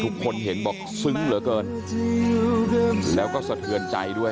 ทุกคนเห็นบอกซึ้งเหลือเกินแล้วก็สะเทือนใจด้วย